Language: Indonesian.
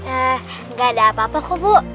enggak ada apa apa kok bu